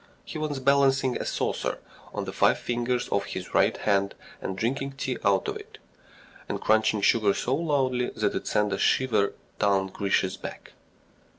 He was balancing a saucer on the five fingers of his right hand and drinking tea out of it, and crunching sugar so loudly that it sent a shiver down Grisha's back.